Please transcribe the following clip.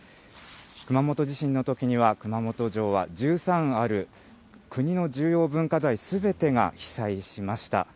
熊本地震のときには、熊本城は１３ある国の重要文化財すべてが被災しました。